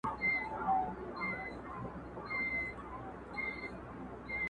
هسي نه زړه مي د هیلو مقبره سي.